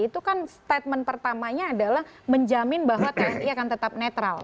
itu kan statement pertamanya adalah menjamin bahwa tni akan tetap netral